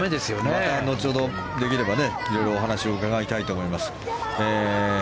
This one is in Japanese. また後ほどできれば色々お話をお伺いしたいと思います。